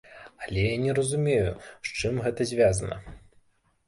Але я не разумею, з чым гэта звязана.